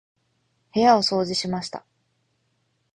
部屋を掃除しました。